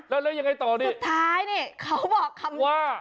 แล้วยังไงต่อดิสุดท้ายนี่เขาบอกคำนี้